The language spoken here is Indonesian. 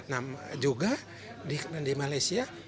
nah juga di malaysia